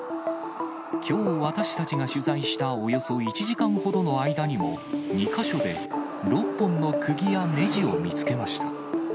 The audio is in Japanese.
きょう私たちが取材したおよそ１時間ほどの間にも、２か所で、６本のくぎやねじを見つけました。